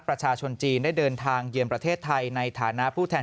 ประชาชนจีนได้เดินทางเยือนประเทศไทยในฐานะผู้แทน